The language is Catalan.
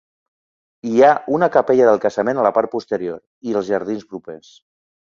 Hi ha una capella del casament a la part posterior, i els jardins propers.